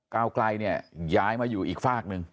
ก้าวไกลเนี่ยย้ายมาอยู่อีกฝากหนึ่ง